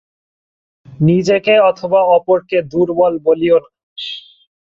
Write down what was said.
নিজেকে অথবা অপরকে দুর্বল বলিও না।